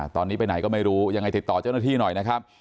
ตอนนี้ไปไหนก็ไม่รู้ยังไงติดต่อเจ้าหน้าที่หน่อยนะครับ